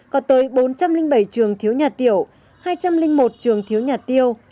có tới bốn trăm linh bảy trường thiếu nhà tiểu hai trăm linh một trường thiếu nhà tiêu